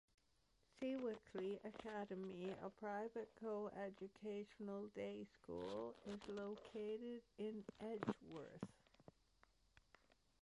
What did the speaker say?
Sewickley Academy, a private coeducational day school, is located in Edgeworth.